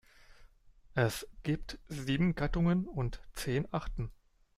Es gibt sieben Gattungen und zehn Arten.